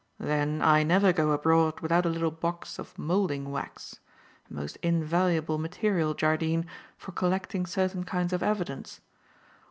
Then I never go abroad without a little box of moulding wax; a most invaluable material, Jardine, for collecting certain kinds of evidence.